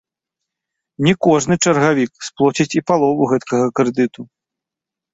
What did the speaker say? Не кожны чаргавік сплоціць і палову гэткага крэдыту.